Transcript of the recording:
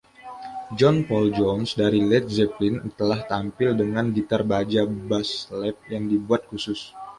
John Paul Jones dari Led Zeppelin telah tampil dengan gitar baja bass lap yang dibuat khusus.